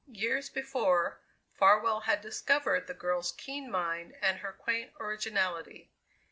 Years before, Farwell had discovered the girl's keen mind and her quaint originality.